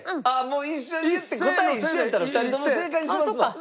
一緒に言って答え一緒やったら２人とも正解にしますわ。